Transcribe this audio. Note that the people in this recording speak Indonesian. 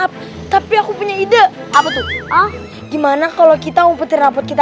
rapat kita ngelera kita jadi bagus gitu iya gitu ya gimana kalau kita umpetin rapat kita